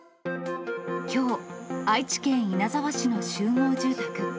きょう、愛知県稲沢市の集合住宅。